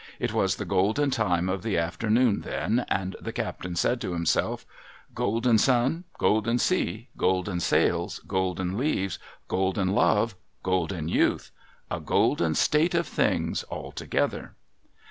It was the golden time of the afternoon then, and the captain said to himself, ' Golden sun, golden sea, golden sails, golden leaves, golden love, golden youth, — a golden state of things altogether